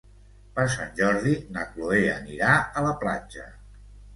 Per Sant Jordi na Cloè anirà a la platja.